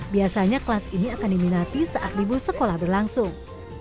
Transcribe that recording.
biasanya kelas ini akan diminati saat libur sekolah berlangsung